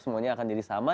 semuanya akan jadi sama